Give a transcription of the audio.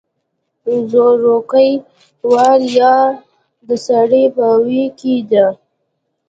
زورکۍ واله يا د سړۍ په ویي کې ده